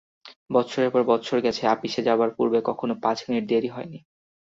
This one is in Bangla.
বৎসরের পর বৎসর গেছে, আপিসে যাবার পূর্বে কখনো পাঁচ মিনিট দেরি হয় নি।